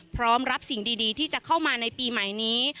พร้อมรับสิ่งดีที่จะเข้ามาในปีใหม่นี้